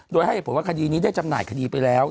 โดยให้เหตุผลว่าคดีนี้ได้จำหน่ายคดีไปแล้ว